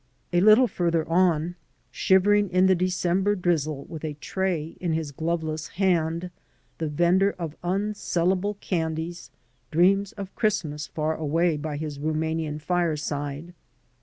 A little farther on, shivering in the December drizzle with a tray in his gloveless hand, the vender of unsellable candies dreams of Christmas far away by his Rumanian fireside.